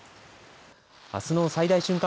あすの最大瞬間